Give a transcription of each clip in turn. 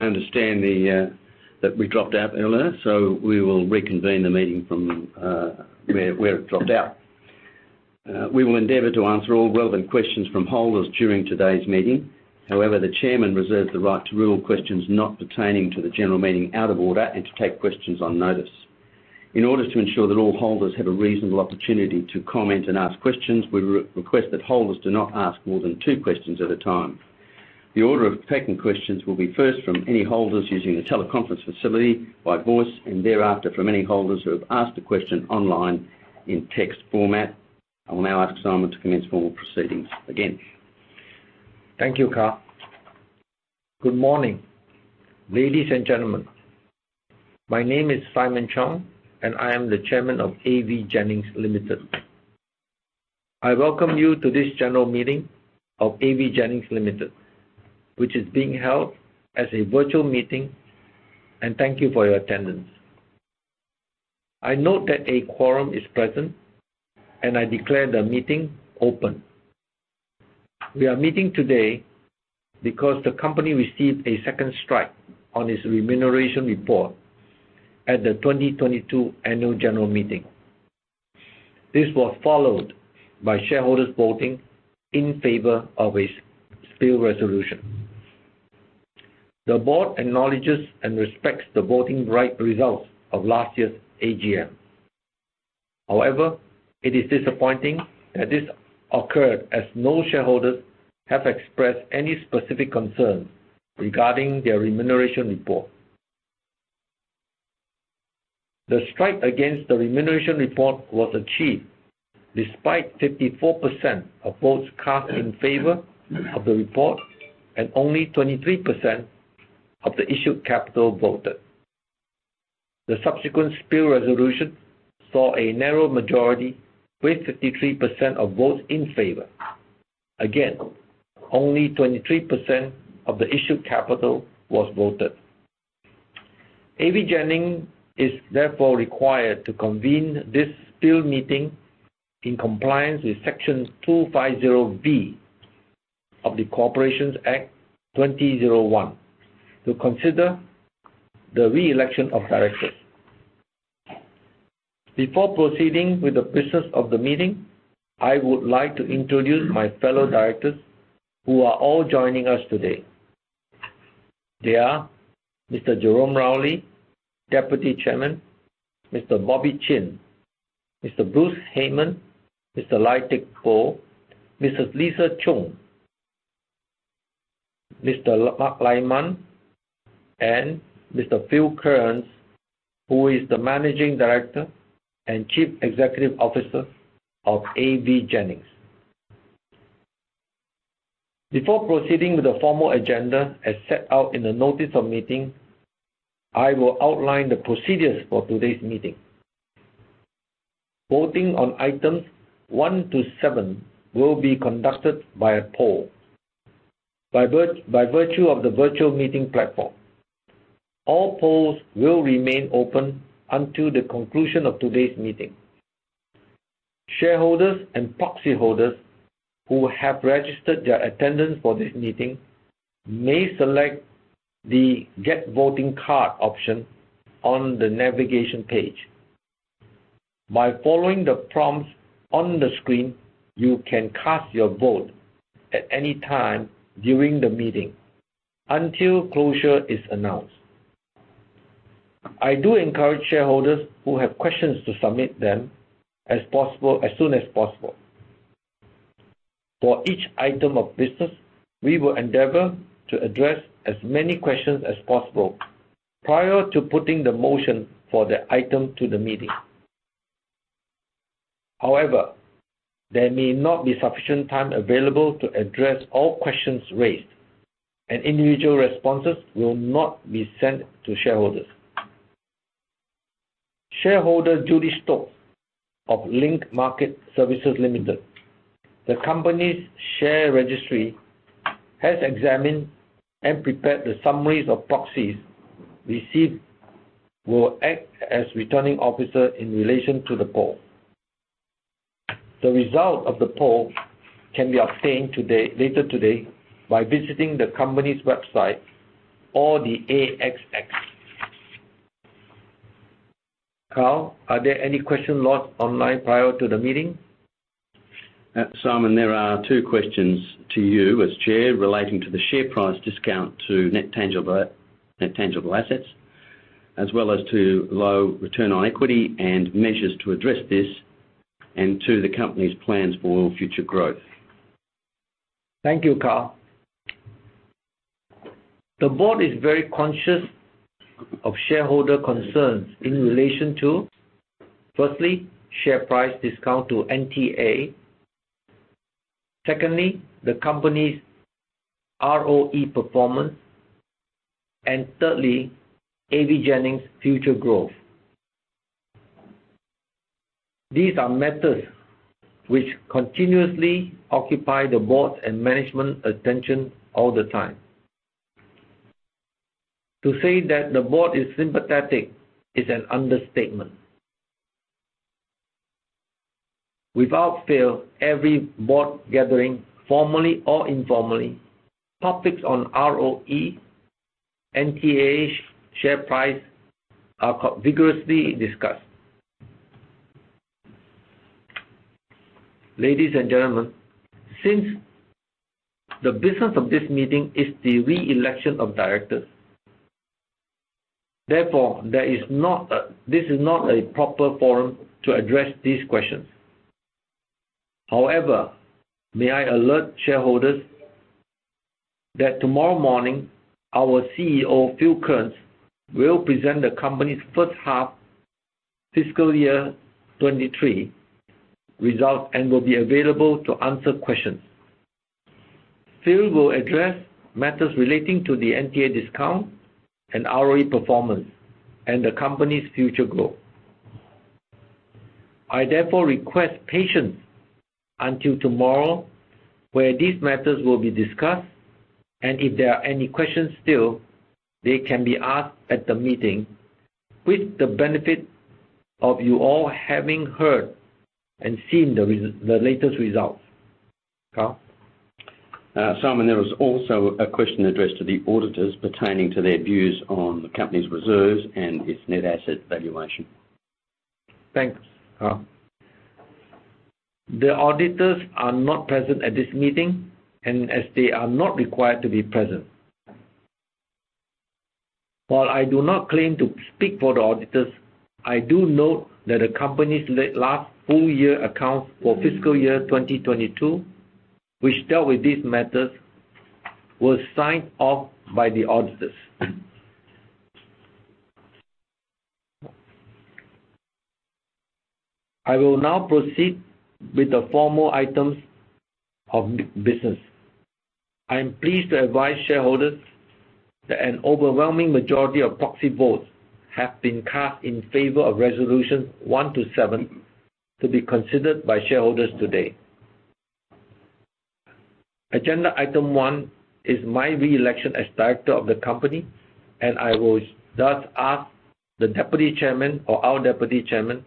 I understand the that we dropped out earlier, so we will reconvene the meeting from where it dropped out. We will endeavor to answer all relevant questions from holders during today's meeting. However, the Chairman reserves the right to rule questions not pertaining to the general meeting out of order and to take questions on notice. In order to ensure that all holders have a reasonable opportunity to comment and ask questions, we re-request that holders do not ask more than two questions at a time. The order of taking questions will be first from any holders using the teleconference facility by voice and thereafter from any holders who have asked a question online in text format. I will now ask Simon to commence formal proceedings again. Thank you, Carl. Good morning, ladies and gentlemen. My name is Simon Cheong, and I am the Chairman of AVJennings Limited. I welcome you to this general meeting of AVJennings Limited, which is being held as a virtual meeting, and thank you for your attendance. I note that a quorum is present, and I declare the meeting open. We are meeting today because the company received a second strike on its remuneration report at the 2022 annual general meeting. This was followed by shareholders voting in favor of a spill resolution. The board acknowledges and respects the voting right results of last year's AGM. It is disappointing that this occurred as no shareholders have expressed any specific concerns regarding their remuneration report. The strike against the remuneration report was achieved despite 54% of votes cast in favor of the report and only 23% of the issued capital voted. The subsequent spill resolution saw a narrow majority with 53% of votes in favor. Only 23% of the issued capital was voted. AVJennings is therefore required to convene this spill meeting in compliance with Section 250V of the Corporations Act 2001 to consider the reelection of Directors. Before proceeding with the business of the meeting, I would like to introduce my fellow Directors who are all joining us today. They are Mr. Jerome Rowley, Deputy Chairman, Mr. Bobby Chin, Mr. Bruce Hayman, Mr. Lai Teck Poh, Mrs. Lisa Chung, Mr. Mak Lye Mun, and Mr. Philip Kearns, who is the Managing Director and Chief Executive Officer of AVJennings. Before proceeding with the formal agenda, as set out in the notice of meeting, I will outline the procedures for today's meeting. Voting on items one to seven will be conducted by a poll. By virtue of the virtual meeting platform, all polls will remain open until the conclusion of today's meeting. Shareholders and proxy holders who have registered their attendance for this meeting may select the Get Voting Card option on the navigation page. By following the prompts on the screen, you can cast your vote at any time during the meeting until closure is announced. I do encourage shareholders who have questions to submit them as soon as possible. For each item of business, we will endeavor to address as many questions as possible prior to putting the motion for the item to the meeting. There may not be sufficient time available to address all questions raised, and individual responses will not be sent to shareholders. Shareholder Julie Stokes of Link Market Services Limited. The company's share registry has examined and prepared the summaries of proxies received, will act as Returning Officer in relation to the poll. The result of the poll can be obtained today, later today by visiting the company's website or the ASX. Carl, are there any question logged online prior to the meeting? Simon, there are two questions to you as Chair relating to the share price discount to net tangible assets, as well as to low return on equity and measures to address this and to the company's plans for future growth. Thank you, Carl. The board is very conscious of shareholder concerns in relation to, firstly, share price discount to NTA. Secondly, the company's ROE performance. Thirdly, AVJennings' future growth. These are matters which continuously occupy the board and management attention all the time. To say that the board is sympathetic is an understatement. Without fail, every board gathering, formally or informally, topics on ROE, NTA, share price are vigorously discussed. Ladies and gentlemen, since the business of this meeting is the re-election of Directors, therefore this is not a proper forum to address these questions. However, may I alert shareholders that tomorrow morning our CEO, Phil Kearns, will present the company's first half fiscal year 2023 results and will be available to answer questions. Phil will address matters relating to the NTA discount and ROE performance and the company's future growth. I therefore request patience until tomorrow, where these matters will be discussed, and if there are any questions still, they can be asked at the meeting with the benefit of you all having heard and seen the latest results. Carl? Simon, there was also a question addressed to the auditors pertaining to their views on the company's reserves and its net asset valuation. Thanks, Carl. The auditors are not present at this meeting as they are not required to be present. While I do not claim to speak for the auditors, I do note that the company's last full year account for fiscal year 2022, which dealt with these matters, was signed off by the auditors. I will now proceed with the formal items of business. I am pleased to advise shareholders that an overwhelming majority of proxy votes have been cast in favor of Resolutions one to seven to be considered by shareholders today. Agenda item one is my re-election as Director of the company. I will thus ask the Deputy Chairman or our Deputy Chairman,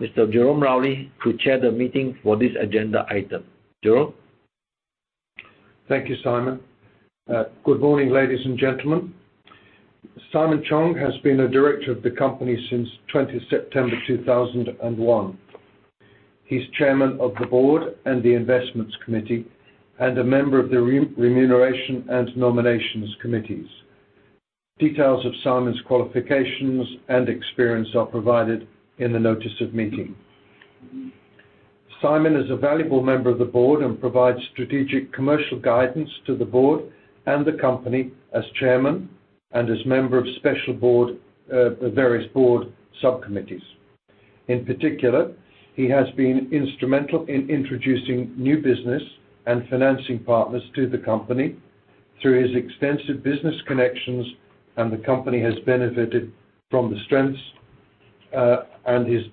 Mr. Jerome Rowley, to chair the meeting for this agenda item. Jerome? Thank you, Simon. Good morning, ladies and gentlemen. Simon Cheong has been a Director of the company since 20 September 2001. He's Chairman of the board and the Investment Committee, and a member of the Remuneration and Nominations Committees. Details of Simon's qualifications and experience are provided in the notice of meeting. Simon is a valuable member of the board and provides strategic commercial guidance to the board and the company as Chairman and as member of special board, various board subcommittees. In particular, he has been instrumental in introducing new business and financing partners to the company through his extensive business connections, and the company has benefited from the strengths, and his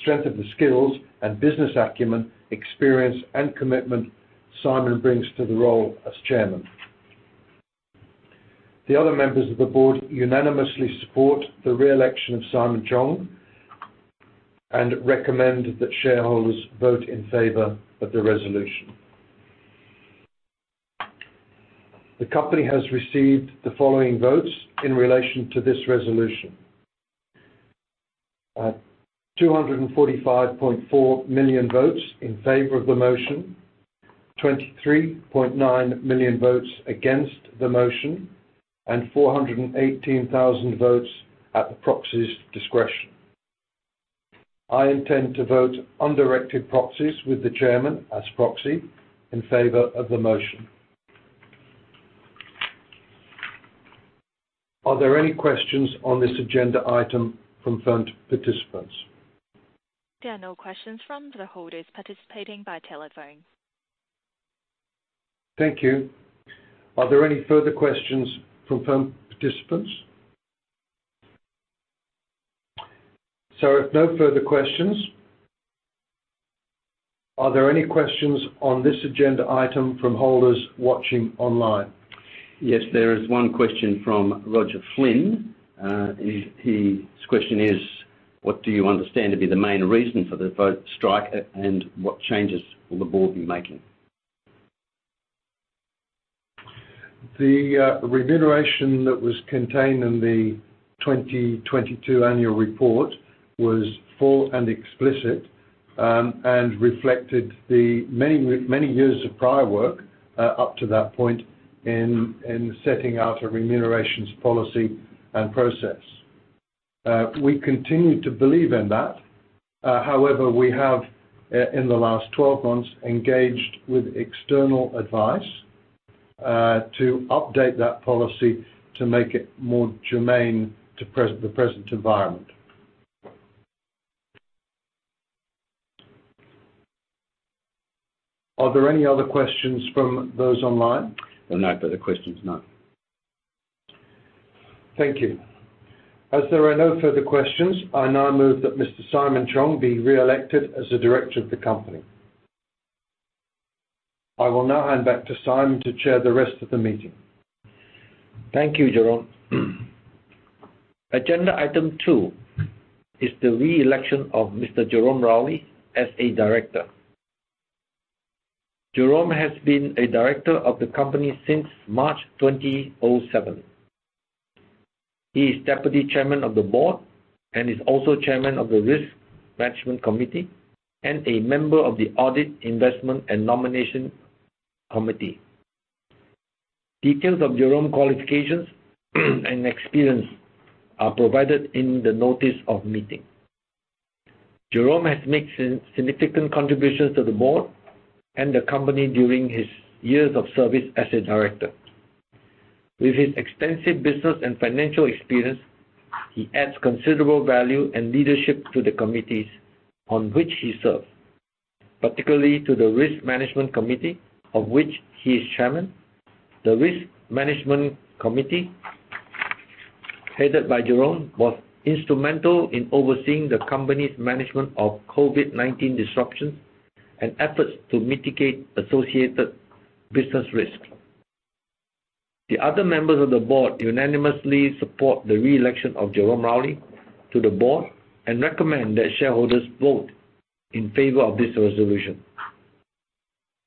strength of the skills and business acumen, experience, and commitment Simon brings to the role as Chairman. The other members of the board unanimously support the re-election of Simon Cheong and recommend that shareholders vote in favor of the resolution. The company has received the following votes in relation to this resolution. 245.4 million votes in favor of the motion, 23.9 million votes against the motion, and 418,000 votes at the proxy's discretion. I intend to vote undirected proxies with the Chairman as proxy in favor of the motion. Are there any questions on this agenda item from phone participants? There are no questions from the holders participating by telephone. Thank you. Are there any further questions from phone participants? If no further questions, are there any questions on this agenda item from holders watching online? Yes, there is one question from Roger Flynn. He's question is, what do you understand to be the main reason for the vote strike, and what changes will the board be making? The remuneration that was contained in the 2022 annual report was full and explicit and reflected the many years of prior work up to that point in setting out a remunerations policy and process. We continue to believe in that. However, we have in the last 12 months, engaged with external advice to update that policy to make it more germane to the present environment. Are there any other questions from those online? There are no further questions, no. Thank you. As there are no further questions, I now move that Mr. Simon Cheong be re-elected as a Director of the company. I will now hand back to Simon to chair the rest of the meeting. Thank you, Jerome. Agenda item two is the reelection of Mr. Jerome Rowley as a Director. Jerome has been a Director of the company since March 2007. He is Deputy Chairman of the Board and is also Chairman of the Risk Management Committee and a member of the Audit, Investment and Nominations Committee. Details of Jerome qualifications and experience are provided in the notice of meeting. Jerome has made significant contributions to the board and the company during his years of service as a Director. With his extensive business and financial experience, he adds considerable value and leadership to the committees on which he serves, particularly to the Risk Management Committee, of which he is Chairman. The Risk Management Committee, headed by Jerome, was instrumental in overseeing the company's management of COVID-19 disruptions and efforts to mitigate associated business risks. The other members of the board unanimously support the reelection of Jerome Rowley to the board and recommend that shareholders vote in favor of this resolution.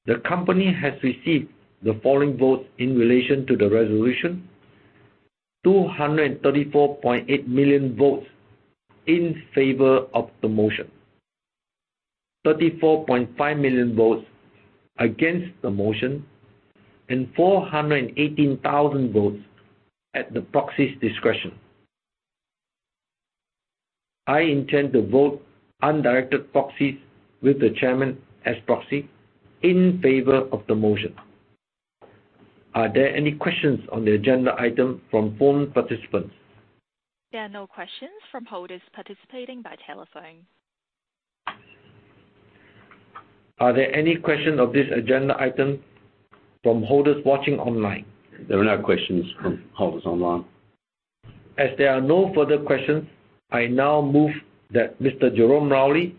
The company has received the following votes in relation to the resolution. 234.8 million votes in favor of the motion, 34.5 million votes against the motion, and 418,000 votes at the proxy's discretion. I intend to vote undirected proxies with the Chairman as proxy in favor of the motion. Are there any questions on the agenda item from phone participants? There are no questions from holders participating by telephone. Are there any question of this agenda item from holders watching online? There are no questions from holders online. There are no further questions, I now move that Mr. Jerome Rowley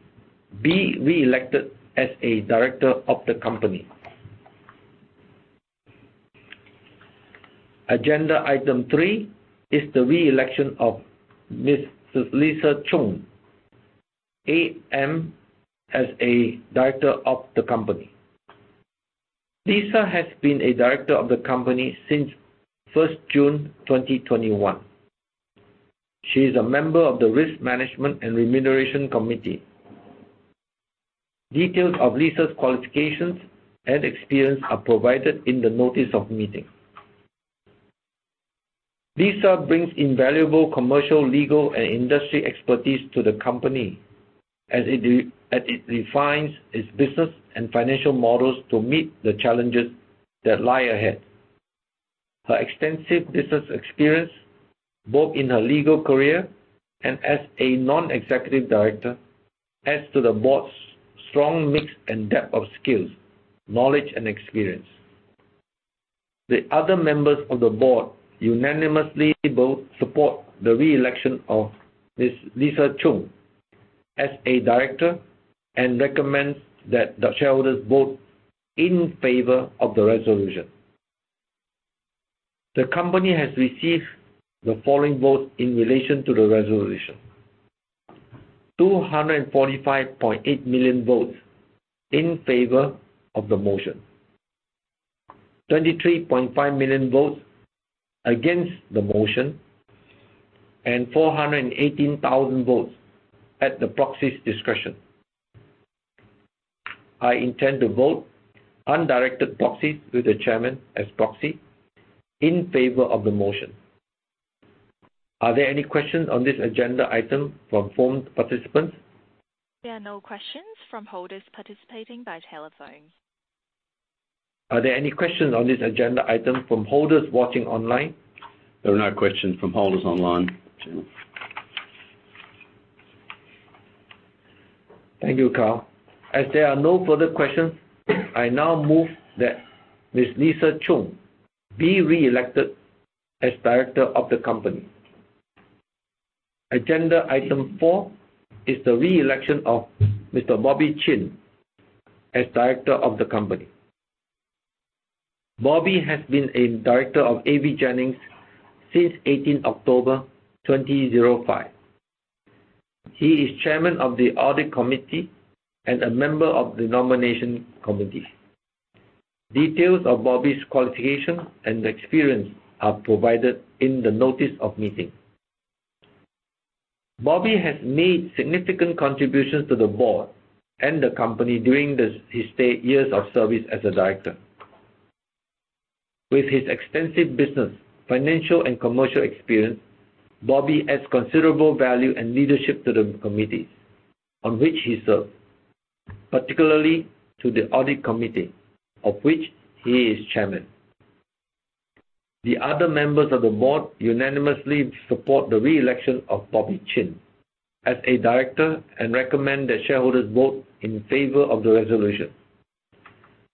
be reelected as a Director of the company. Agenda item three is the reelection of Mrs. Lisa Chung, AM, as a Director of the company. Lisa has been a Director of the company since 1st June 2021. She is a member of the Risk Management and Remuneration Committee. Details of Lisa's qualifications and experience are provided in the notice of meeting. Lisa brings invaluable commercial, legal, and industry expertise to the company as it redefines its business and financial models to meet the challenges that lie ahead. Her extensive business experience, both in her legal career and as a non-executive Director, adds to the board's strong mix and depth of skills, knowledge, and experience. The other members of the Board unanimously vote support the reelection of Ms. Lisa Chung as a Director and recommends that the shareholders vote in favor of the resolution. The company has received the following vote in relation to the resolution. 245.8 million votes in favor of the motion, 23.5 million votes against the motion, and 418,000 votes at the proxy's discretion. I intend to vote undirected proxies with the Chairman as proxy in favor of the motion. Are there any questions on this agenda item from phone participants? There are no questions from holders participating by telephone. Are there any questions on this agenda item from holders watching online? There are no questions from holders online. Thank you, Carl. As there are no further questions, I now move that Mrs. Lisa Chung be reelected as Director of the company. Agenda item four is the reelection of Mr. Bobby Chin as Director of the company. Bobby has been a Director of AVJennings since 18th October 2005. He is Chairman of the Audit Committee and a member of the Nominations Committee. Details of Bobby's qualifications and experience are provided in the notice of meeting. Bobby has made significant contributions to the board and the company during his years of service as a Director. With his extensive business, financial, and commercial experience, Bobby adds considerable value and leadership to the committees on which he serves, particularly to the Audit Committee, of which he is Chairman. The other members of the Board unanimously support the reelection of Bobby Chin as a Director and recommend that shareholders vote in favor of the resolution.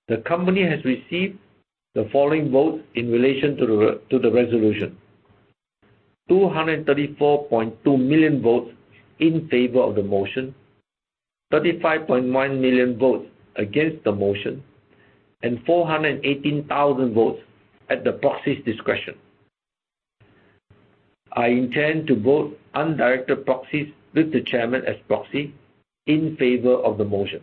The company has received the following vote in relation to the resolution. 234.2 million votes in favor of the motion, 35.1 million votes against the motion, and 418,000 votes at the proxy's discretion. I intend to vote undirected proxies with the Chairman as proxy in favor of the motion.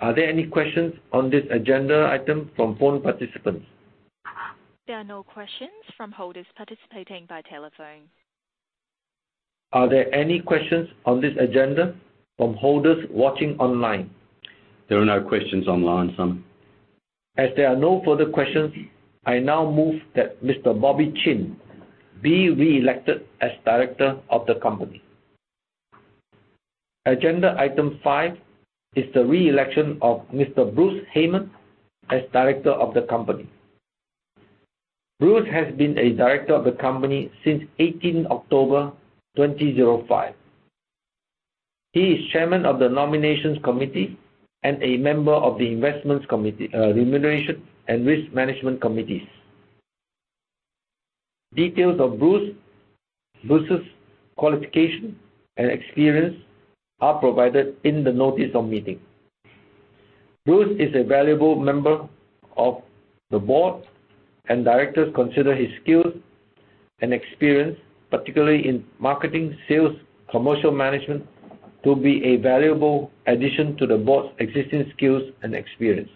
Are there any questions on this agenda item from phone participants? There are no questions from holders participating by telephone. Are there any questions on this agenda from holders watching online? There are no questions online, Simon. As there are no further questions, I now move that Mr. Bobby Chin be reelected as Director of the company. Agenda item five is the reelection of Mr. Bruce Hayman as Director of the company. Bruce has been a Director of the company since 18 October 2005. He is Chairman of the Nominations Committee and a member of the Investment Committee, Remuneration Committee and Risk Committee. Details of Bruce's qualification and experience are provided in the notice of meeting. Bruce is a valuable member of the board, and Directors consider his skills and experience, particularly in marketing, sales, commercial management, to be a valuable addition to the board's existing skills and experience.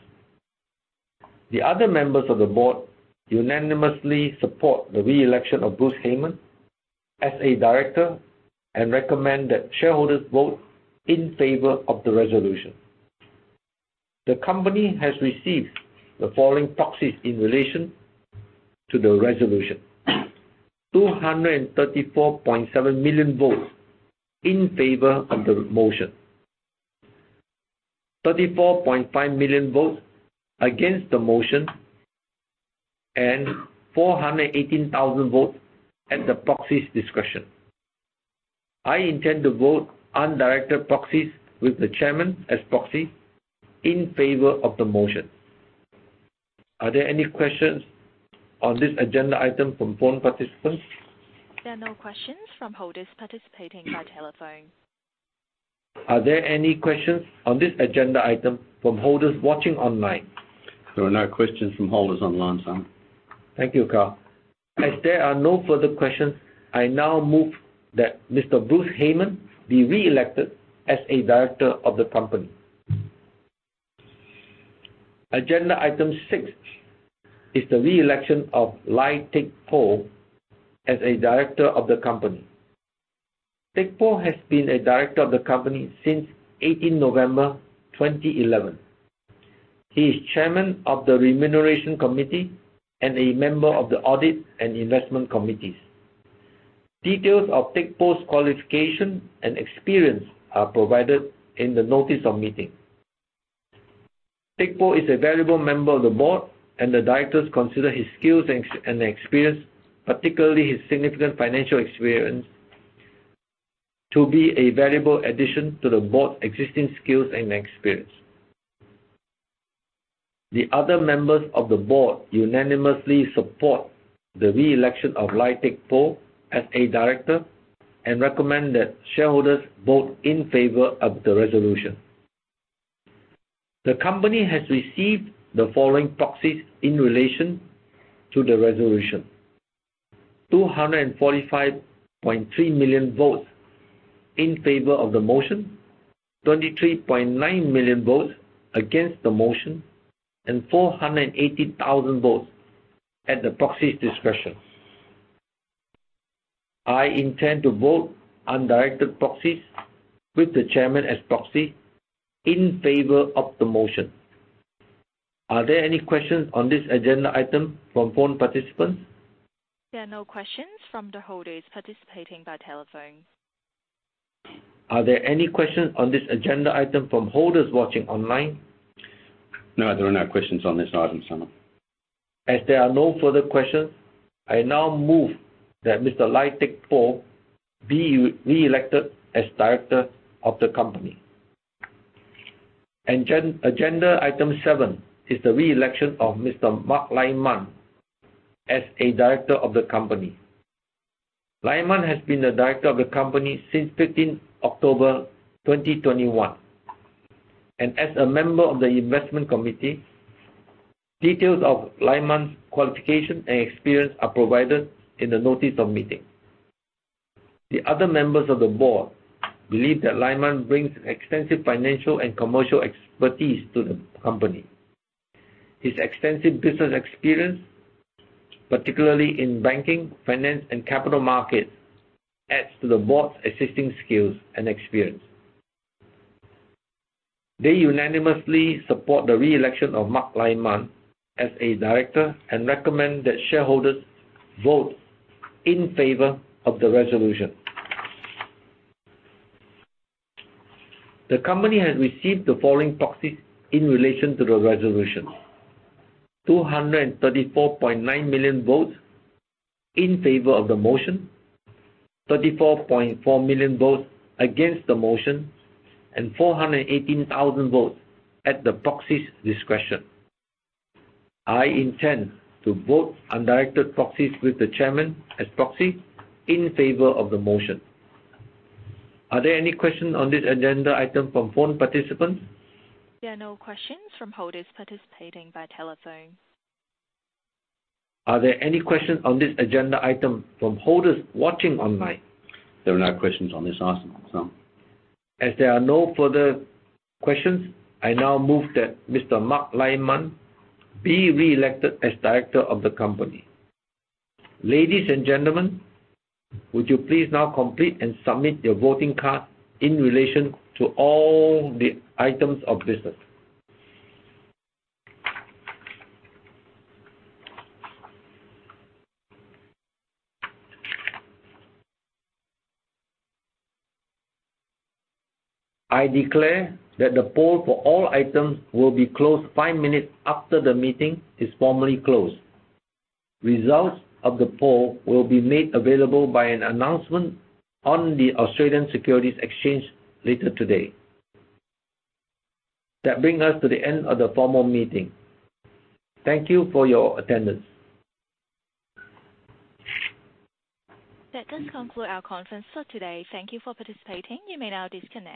The other members of the board unanimously support the reelection of Bruce Hayman as a Director and recommend that shareholders vote in favor of the resolution. The company has received the following proxies in relation to the resolution. 234.7 million votes in favor of the motion, 34.5 million votes against the motion, and 418,000 votes at the proxy's discretion. I intend to vote undirected proxies with the Chairman as proxy in favor of the motion. Are there any questions on this agenda item from phone participants? There are no questions from holders participating by telephone. Are there any questions on this agenda item from holders watching online? There are no questions from holders online, Simon. Thank you, Carl. As there are no further questions, I now move that Mr. Bruce Hayman be reelected as a Director of the company. Agenda item six is the reelection of Lai Teck Poh as a Director of the company. Teck Poh has been a Director of the company since 18 November 2011. He is Chairman of the Remuneration Committee and a member of the Audit and Investment Committees. Details of Teck Poh's qualification and experience are provided in the notice of meeting. Teck Poh is a valuable member of the Board, and the Directors consider his skills and experience, particularly his significant financial experience, to be a valuable addition to the board's existing skills and experience. The other members of the board unanimously support the reelection of Lai Teck Poh as a Director and recommend that shareholders vote in favor of the resolution. The company has received the following proxies in relation to the resolution. 245.3 million votes in favor of the motion, 23.9 million votes against the motion, and 480,000 votes at the proxy's discretion. I intend to vote undirected proxies with the Chairman as proxy in favor of the motion. Are there any questions on this agenda item from phone participants? There are no questions from the holders participating by telephone. Are there any questions on this agenda item from holders watching online? No, there are no questions on this item, Simon. As there are no further questions, I now move that Mr. Lai Teck Poh be reelected as Director of the company. Agenda item seven is the reelection of Mr. Mak Lye Mun as a Director of the company. Lye Mun has been a Director of the company since 15 October 2021, and as a member of the Investment Committee. Details of Lye Mun's qualification and experience are provided in the notice of meeting. The other members of the board believe that Lye Mun brings extensive financial and commercial expertise to the company. His extensive business experience, particularly in banking, finance, and capital markets, adds to the board's existing skills and experience. They unanimously support the reelection of Mak Lye Mun as a Director and recommend that shareholders vote in favor of the resolution. The company has received the following proxies in relation to the resolution. 234.9 million votes in favor of the motion, 34.4 million votes against the motion, 418,000 votes at the proxy's discretion. I intend to vote undirected proxies with the Chairman as proxy in favor of the motion. Are there any questions on this agenda item from phone participants? There are no questions from holders participating by telephone. Are there any questions on this agenda item from holders watching online? There are no questions on this item, Simon. As there are no further questions, I now move that Mr. Mak Lye Mun be reelected as Director of the company. Ladies and gentlemen, would you please now complete and submit your voting card in relation to all the items of business? I declare that the poll for all items will be closed five minutes after the meeting is formally closed. Results of the poll will be made available by an announcement on the Australian Securities Exchange later today. That brings us to the end of the formal meeting. Thank you for your attendance. That does conclude our conference for today. Thank you for participating. You may now disconnect.